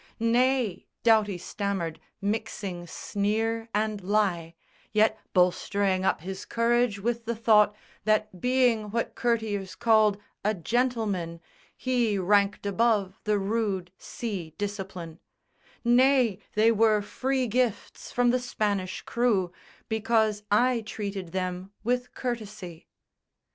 "Nay," Doughty stammered, mixing sneer and lie, Yet bolstering up his courage with the thought That being what courtiers called a gentleman He ranked above the rude sea discipline, "Nay, they were free gifts from the Spanish crew Because I treated them with courtesy."